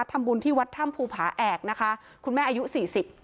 ทำบุญที่วัดถ้ำภูผาแอกนะคะคุณแม่อายุสี่สิบ